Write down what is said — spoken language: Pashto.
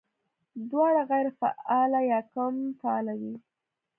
دواړه غېر فعاله يا کم فعاله وي